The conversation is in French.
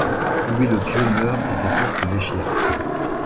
Louis le Pieux meurt et ses fils se déchirent.